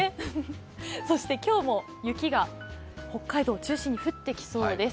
今日も雪が北海道を中心に降ってきそうです。